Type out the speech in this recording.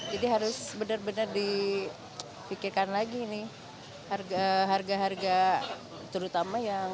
jadi harus benar benar dipikirkan lagi nih harga harga terutama yang